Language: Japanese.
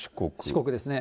四国ですね。